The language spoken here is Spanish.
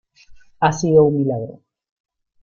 ¡ ha sido un milagro!...